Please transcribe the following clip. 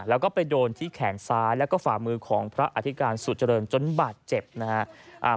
แล้วก็ไปโดนที่แขนซ้ายแล้วก็ฝ่ามือของพระอธิการสุเจริญจนบาดเจ็บนะครับ